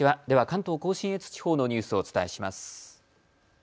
では関東甲信越地方のニュースをお伝えします。